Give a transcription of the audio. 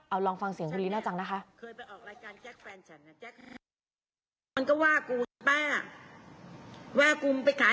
เอาลองฟังเสียงคุณลีน่าจังนะคะ